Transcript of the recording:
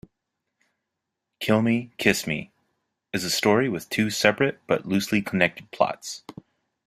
"Kill Me, Kiss Me" is a story with two separate but loosely connected plots.